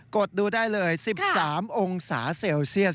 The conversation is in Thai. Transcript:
ดดูได้เลย๑๓องศาเซลเซียส